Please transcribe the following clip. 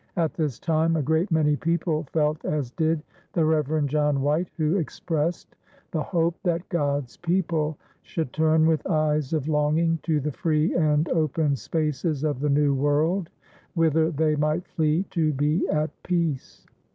At this time a great many people felt as did the Reverend John White, who expressed the hope that God's people should turn with eyes of longing to the free and open spaces of the New World, whither they might flee to be at peace.